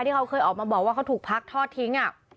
ที่เขาเคยออกมาบอกว่าเขาถูกพักทอดทิ้ง